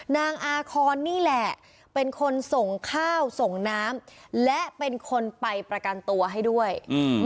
นางอาคอนนี่แหละเป็นคนส่งข้าวส่งน้ำและเป็นคนไปประกันตัวให้ด้วยอืม